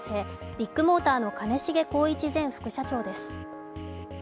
ビッグモーターの兼重宏一前副社長です。